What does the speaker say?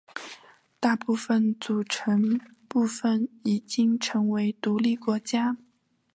大部分组成部分已经成为独立国家。